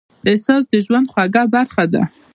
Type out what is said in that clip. احساس د ژوند خوږه برخه ده.